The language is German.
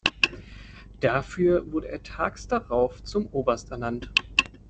Dafür wurde er tags darauf zum Oberst ernannt.